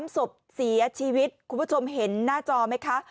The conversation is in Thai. ศพเสียชีวิตคุณผู้ชมเห็นหน้าจอไหมคะ